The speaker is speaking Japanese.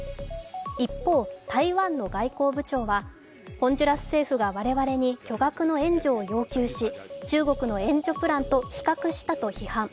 一方、台湾の外交部長は、ホンジュラス政府が我々に巨額の援助を要求し、中国の援助プランと比較したと批判。